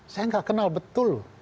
saya nggak kenal betul